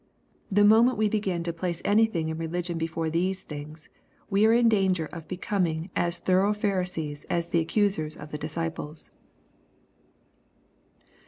The moment we begin to place anything in religion before these things, we are in danger of becoming as thorough Pharisees as the accusers of the disciples.